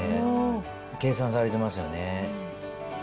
計算されてますよね。